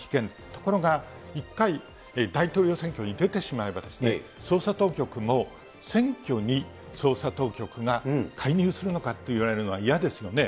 ところが、１回、大統領選挙に出てしまえば、捜査当局も選挙に捜査当局が介入するのかといわれるのは嫌ですよね。